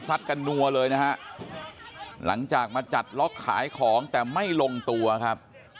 กันนัวเลยนะฮะหลังจากมาจัดล็อกขายของแต่ไม่ลงตัวครับ